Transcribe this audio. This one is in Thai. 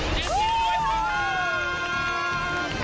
ยินดีด้วยคุณคุณค่ะ